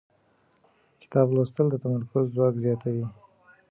کتاب لوستل د تمرکز ځواک زیاتوي